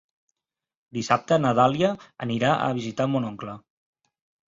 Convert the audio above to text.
Dissabte na Dàlia anirà a visitar mon oncle.